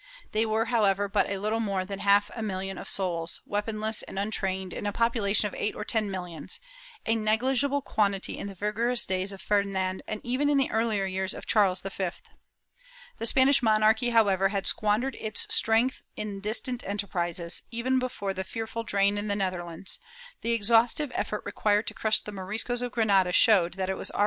They were, how ever, but little more than half a million of souls, weaponless and untrained, in a population of eight or ten millions — a negligible quantity in the vigorous days of Ferdinand and even in the earher years of Charles V. The Spanish monarchy, however, had squandered its strength on distant enterprises; even before the fearful drain in the Netherlands, the exhaustive effort required to crush the Moriscos of Granada showed that it was already > Nueva Recop.